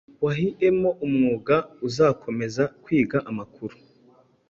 wahiemo umwuga, uzakomeza kwiga amakuru